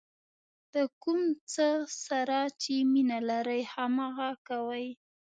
د کوم څه سره چې مینه لرئ هماغه کوئ.